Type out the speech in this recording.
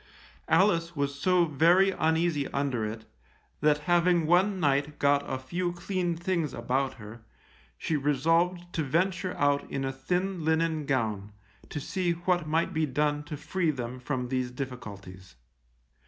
Alice was so very uneasy under it, that having one night got a few clean things about her, she resolved to venture out in a thin linen gown, to see what might be done to free them from these difficulties.